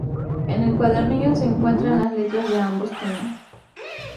En el cuadernillo se encuentran las letras de ambos temas.